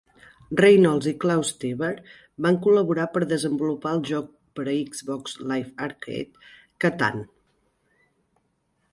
Reynolds i Klaus Teber van col·laborar per a desenvolupar el joc per a Xbox LIVE Arcade "Catan".